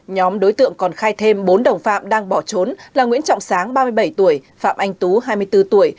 nhóm đối tượng còn khai thêm bốn đồng phạm đang bỏ trốn là nguyễn trọng sáng ba mươi bảy tuổi phạm anh tú hai mươi bốn tuổi